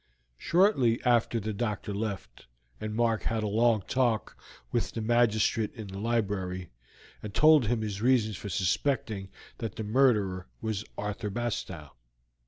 Shortly after the doctor left, and Mark had a long talk with the magistrate in the library, and told him his reasons for suspecting that the murderer was Arthur Bastow.